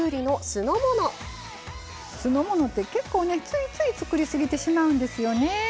酢の物って結構ついつい作りすぎてしまうんですよね。